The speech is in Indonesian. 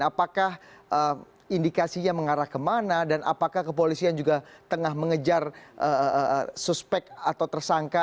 apakah indikasinya mengarah kemana dan apakah kepolisian juga tengah mengejar suspek atau tersangka